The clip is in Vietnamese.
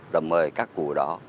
đã mời các cụ đó